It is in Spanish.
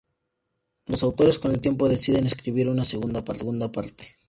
Los autores, con el tiempo, deciden escribir una segunda parte.